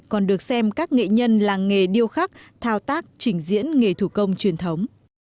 còn được xem các nghệ nhân làng nghề điêu khắc thao tác trình diễn nghề thủ công truyền thống